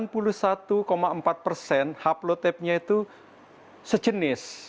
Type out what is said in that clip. sembilan puluh satu empat persen haplotepnya itu sejenis